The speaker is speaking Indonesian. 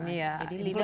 jadi leader harus ditegas